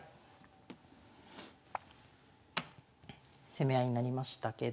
攻め合いになりましたけども。